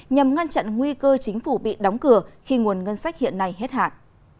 nhằm ngăn chặn nguy cơ chính phủ bị đóng cửa khi nguồn ngân sách hiện nay hết hạn